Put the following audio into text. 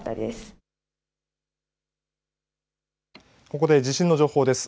ここで地震の情報です。